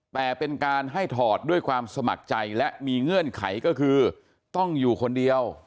แต่เป็นการให้ถอดด้วยความสมัครใจและมีเงื่อนไขก็คือต้องอยู่คนเดียว